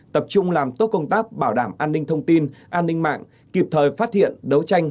tập trung làm tốt công tác bảo đảm an ninh thông tin an ninh mạng kịp thời phát hiện đấu tranh